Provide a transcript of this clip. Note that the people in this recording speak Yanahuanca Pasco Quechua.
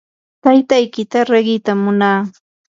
taytaykita riqitam munaa.